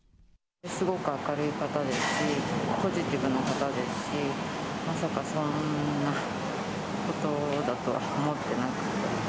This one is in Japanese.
すごく明るい方ですし、ポジティブな方ですし、まさかそんなことだとは思ってなくて。